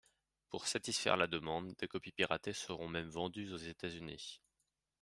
Pour satisfaire la demande, des copies piratées seront même vendues aux États-Unis.